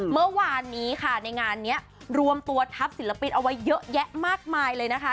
เมื่อวานนี้ค่ะในงานนี้รวมตัวทัพศิลปินเอาไว้เยอะแยะมากมายเลยนะคะ